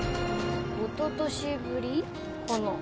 おととしぶり？かな。